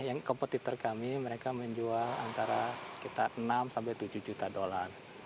yang kompetitor kami mereka menjual antara sekitar enam sampai tujuh juta dolar